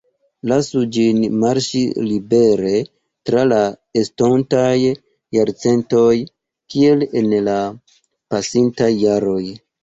Lasu ĝin marŝi libere tra la estontaj jarcentoj, kiel en la pasintaj jaroj.